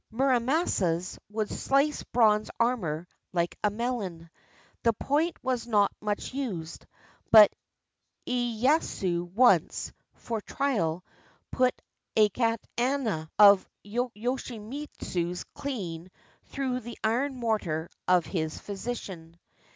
Mura masa's would slice bronze armor "like a melon." The point was not much used, but lyeyasu once, for trial, put a katana of Yoshimitsu's clean through the iron mortar of his physician.